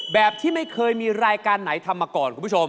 แบบที่ไม่เคยมีรายการไหนทำมาก่อนคุณผู้ชม